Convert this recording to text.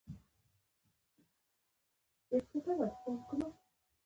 د شنو خونو تودوخه باید ثابت وساتل شي.